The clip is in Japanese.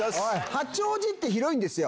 八王子って広いんですよ。